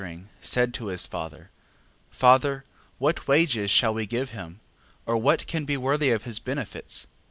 Tobias answering, said to his father: Father, what wages shall we give him? or what can be worthy of his benefits?